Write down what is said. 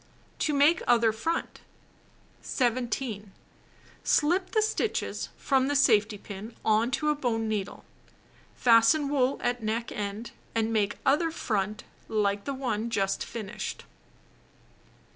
To Make Other Front 17. Slip the stitches from the safety pin on to a bone needle. Fasten wool at neck end, and make other front like the one just finished.